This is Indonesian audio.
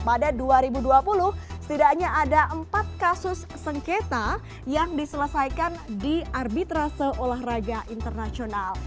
pada dua ribu dua puluh setidaknya ada empat kasus sengketa yang diselesaikan di arbitrase olahraga internasional